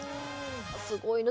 すごいな。